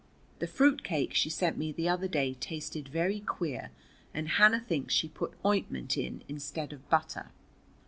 The fruit cake she sent me the other day tasted very queer, and Hannah thinks she put ointment in instead of butter."